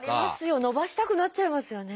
伸ばしたくなっちゃいますよね。